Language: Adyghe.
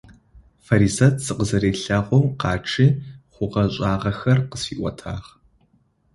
Фаризэт сыкъызэрилъэгъоу къачъи, хъугъэ-шӀагъэхэр къысфиӀотагъ.